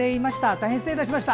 大変失礼いたしました。